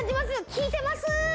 効いてます！